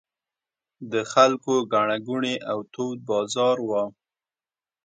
د خلکو ګڼه ګوڼې او تود بازار و.